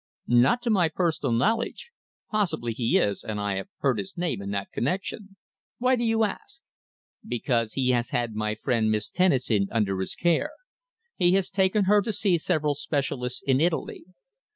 "Not to my personal knowledge. Possibly he is, and I have heard his name in that connexion. Why do you ask?" "Because he has had my friend Miss Tennison under his care. He has taken her to see several specialists in Italy."